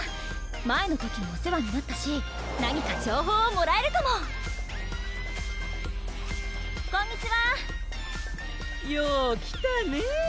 前の時もお世話になったし何か情報をもらえるかもこんにちはよう来たね